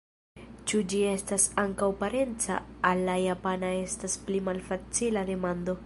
Ĉu ĝi estas ankaŭ parenca al la japana estas pli malfacila demando.